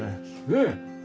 ねえ。